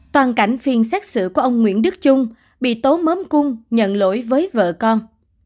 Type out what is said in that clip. toàn cảnh phiên xét xử của ông nguyễn đức trung bị tố mớm cung nhận lỗi với vợ con